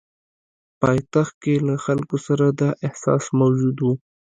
پایتخت کې له خلکو سره دا احساس موجود وو.